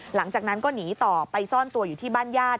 หลังจากนั้นก็หนีต่อไปซ่อนตัวอยู่ที่บ้านญาติ